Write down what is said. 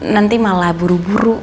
nanti malah buru buru